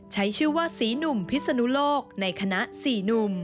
ใช้ชื่อว่าสีหนุ่มพิศนุโลกในคณะ๔หนุ่ม